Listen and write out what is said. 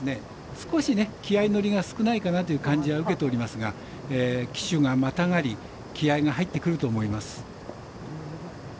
少し気合い乗りが少ないかなという感じは受けておりますが騎手がまたがり気合いが入ってくると思います。